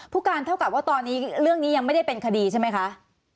ผู้การเท่ากับว่าตอนนี้เรื่องนี้ยังไม่ได้เป็นคดีใช่ไหมคะ